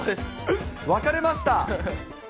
分かれました。